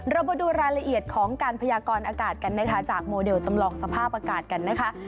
เรามาดูรายละเอียดของการพยากรอากาศกันนะคะจากโมเดลจำลองสภาพอากาศกันนะคะ